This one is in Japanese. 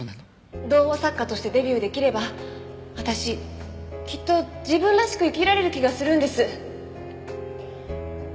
童話作家としてデビュー出来れば私きっと自分らしく生きられる気がするんです。